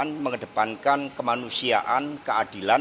akan mengedepankan kemanusiaan keadilan